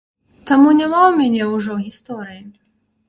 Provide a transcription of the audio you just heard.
Таму няма ў мяне ўжо гісторыі.